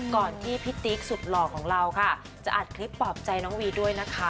ก่อนที่พี่ติ๊กสุดหล่อของเราค่ะจะอัดคลิปปลอบใจน้องวีด้วยนะคะ